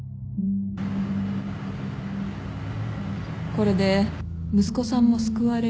これで息子さんも救われる。